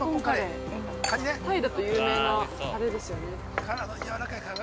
◆タイだと有名なカレーですよね。